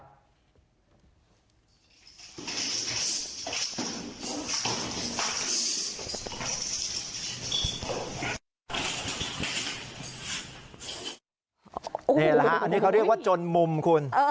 นี่แหละฮะอันนี้เขาเรียกว่าจนมุมคุณ